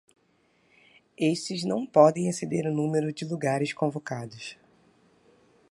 Estes não podem exceder o número de lugares convocados.